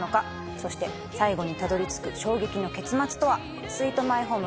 そして最後にたどり着く衝撃の結末とは？